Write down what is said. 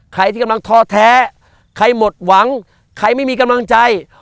ใครที่กำลังท้อแท้ใครหมดหวังใครไม่มีกำลังใจ